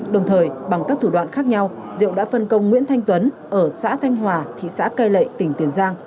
đồng thời bằng các thủ đoạn khác nhau diệu đã phân công nguyễn thanh tuấn ở xã thanh hòa thị xã cai lệ tỉnh tiền giang